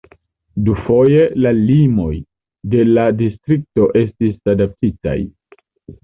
Dufoje la limoj de la distrikto estis adaptitaj.